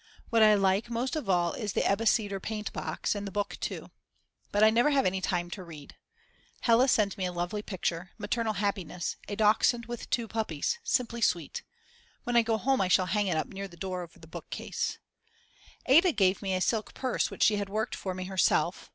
What I like most of all is the Ebeseder paint box, and the book too. But I never have any time to read. Hella sent me a lovely picture: Maternal Happiness, a dachshund with two puppies, simply sweet. When I go home I shall hang it up near the door over the bookcase. Ada gave me a silk purse which she had worked for me herself.